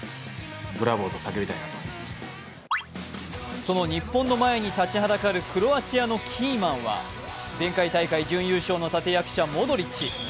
その日本の前に立ちはだかるクロアチアのキーマンは、前回大会準優勝の立て役者、モドリッチ。